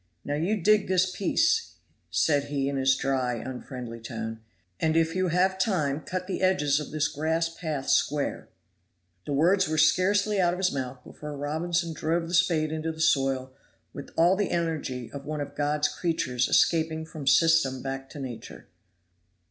"Now you dig this piece," said he in his dry, unfriendly tone, "and if you have time cut the edges of this grass path square." The words were scarcely out of his mouth before Robinson drove the spade into the soil with all the energy of one of God's creatures escaping from system back to nature.